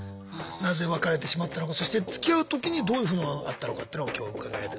なぜ別れてしまったのかそしてつきあう時にどういうふうなのがあったのかというのを今日伺える。